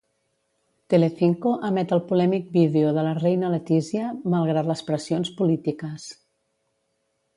Telecinco emet el polèmic vídeo de la reina Letizia malgrat les pressions polítiques.